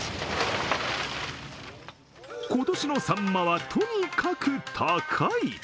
今年のさんまはとにかく高い。